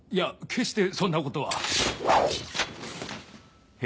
決してそんなことは。